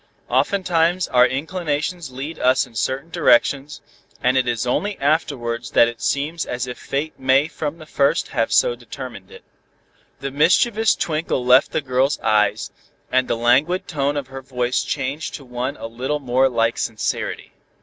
Oftentimes our inclinations lead us in certain directions, and it is only afterwards that it seems as if fate may from the first have so determined it." The mischievous twinkle left the girl's eyes, and the languid tone of her voice changed to one a little more like sincerity.